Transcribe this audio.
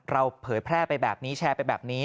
เผยแพร่ไปแบบนี้แชร์ไปแบบนี้